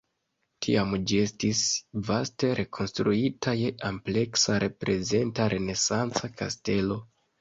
Tiam ĝi estis vaste rekonstruita je ampleksa reprezenta renesanca kastelo.